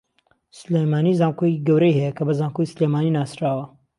سلێمانی زانکۆیەکی گەورەی ھەیە کە بە زانکۆی سلێمانی ناسراوە